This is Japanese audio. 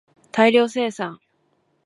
大量生産